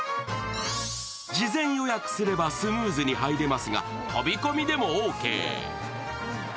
事前予約すればスムーズに入れますが、飛び込みでもオーケー。